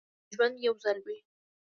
ژوند یو ځل وي